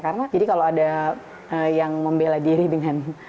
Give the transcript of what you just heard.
karena jadi kalau ada yang membela diri dengan